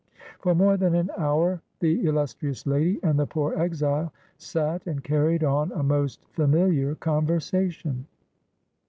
For more than an hour, the illus trious lady and the poor exile sat and carried on a most familiar conversation.